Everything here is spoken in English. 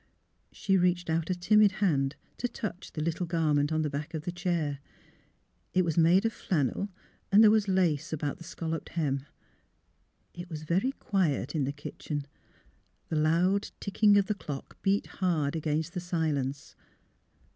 She reached out a timid hand to touch the little gar ment on the back of the chair. It was made of flannel and there was lace about the scalloped hem. It was very quiet in the kitchen; the loud ticking of the clock beat hard against the silence.